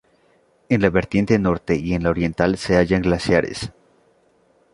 En la vertiente norte y en la oriental se hallan glaciares.